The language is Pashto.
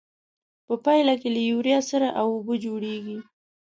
په پایله کې له یوریا سره او اوبه جوړیږي.